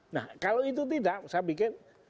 nah kalau itu tidak saya pikir